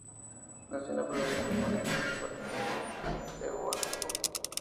Nació en la provincia de Marañón, departamento de Huánuco.